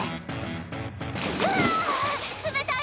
「うわ！冷たい！